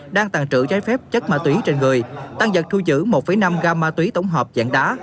đang tàn trữ trái phép chất ma túy trên người tăng vật thu giữ một năm gam ma túy tổng hợp dạng đá